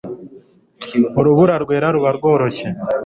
Urubura rwera ruba rworoshye